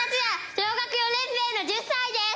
小学４年生の１０歳です！